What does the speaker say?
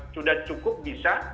sudah cukup bisa